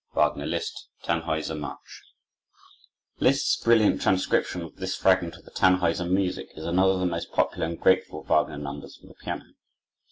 Wagner Liszt: Tannhäuser March Liszt's brilliant transcription of this fragment of the Tannhäuser music is another of the most popular and grateful Wagner numbers for the piano.